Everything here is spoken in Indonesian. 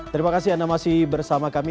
terima kasih anda masih bersama kami